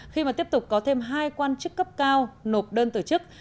khi mà tiếp tục có thêm hai quan chức cấp cao nộp đơn từ chức